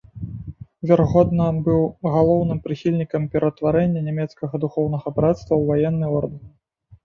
Верагодна быў галоўным прыхільнікам пераўтварэння нямецкага духоўнага брацтва ў ваенны ордэн.